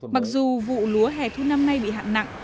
mặc dù vụ lúa hẻ thu năm nay bị hạn nặng